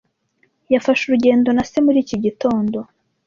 Yafashe urugendo na se muri iki gitondo.